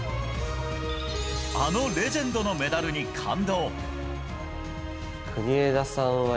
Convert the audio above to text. あのレジェンドのメダルに感動！